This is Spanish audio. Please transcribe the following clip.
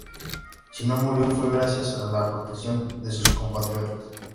Si no murió, fue gracias a la protección de sus compatriotas.